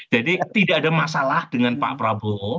jadi tidak ada masalah dengan pak prabowo